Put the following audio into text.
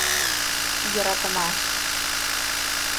«Йӧратымаш»...